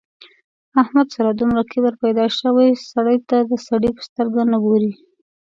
احمد سره دومره کبر پیدا شوی سړي ته د سړي په سترګه نه ګوري.